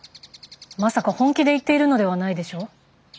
まさか本気で言っているのではないでしょう？